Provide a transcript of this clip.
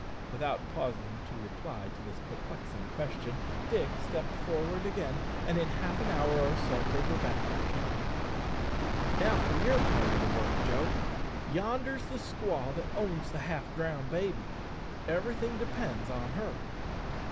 Without pausing to reply to this perplexing question, Dick stepped forward again, and in half an hour or so they were back in the camp. "Now for your part of the work, Joe. Yonder's the squaw that owns the half drowned baby. Everything depends on her."